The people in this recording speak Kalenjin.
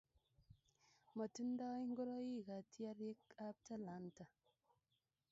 Matindo ngoraik katiarik ab Talanta